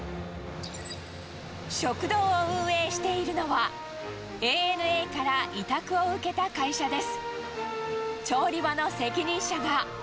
食堂を運営しているのは、ＡＮＡから委託を受けた会社です。